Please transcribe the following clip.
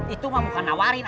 itu mah bukan nawarin